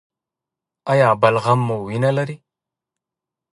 ایا بلغم مو وینه لري؟